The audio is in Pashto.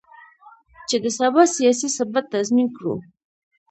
چې د سبا سیاسي ثبات تضمین کړو.